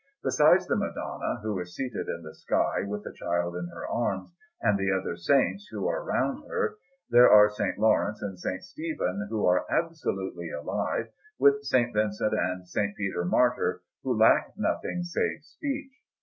Besides the Madonna, who is seated in the sky with the Child in her arms, and the other saints who are round her, there are S. Laurence and S. Stephen, who are absolutely alive, with S. Vincent and S. Peter Martyr, who lack nothing save speech.